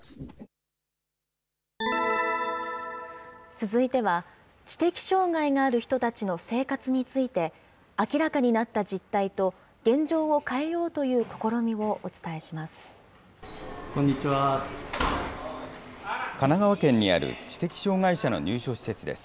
続いては、知的障害がある人たちの生活について、明らかになった実態と現状を変えようという試みをお伝えします。